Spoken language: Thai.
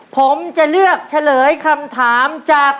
ผมจะเลือกเฉลยคำถามจาก